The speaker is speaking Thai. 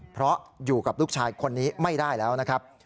เพราะอยู่กับลูกชายคนนี้ไม่ได้แล้วนะครับ